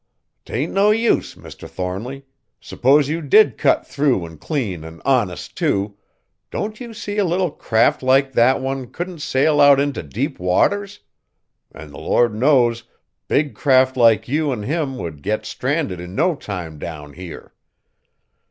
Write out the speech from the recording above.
"'T ain't no use, Mr. Thornly, s'pose you did cut through an' clean an' honest, too, don't you see a little craft like that one couldn't sail out int' deep waters? an' the Lord knows, big craft like you an' him would get stranded in no time down here.